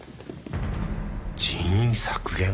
人員削減？